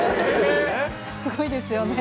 すごいですよね。